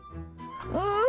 うん！